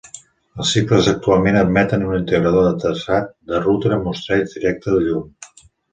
Els cicles actualment admeten un integrador de traçat de ruta amb mostreig directe de llum.